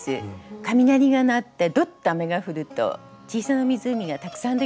雷が鳴ってどっと雨が降ると小さな湖がたくさんできるんですね。